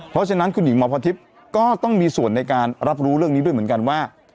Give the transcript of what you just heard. เพราะฉะนั้นคุณหญิงหมอพรทิพย์ก็ต้องมีส่วนในการรับรู้เรื่องนี้ด้วยเหมือนกันว่า